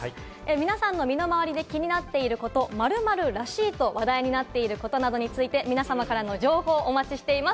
皆さんの身の回りで気になっていること、「○○らしい」と話題になっていることなどについて皆様からの情報もお待ちしています。